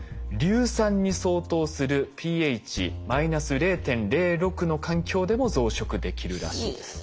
硫酸に相当するｐＨ−０．０６の環境でも増殖できるらしいです。